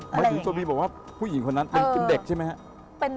หมายถึงตัวบีบอกว่าผู้หญิงคนนั้นเป็นเด็กใช่ไหมครับ